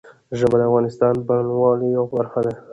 ژبې د افغانستان د بڼوالۍ یوه برخه ده.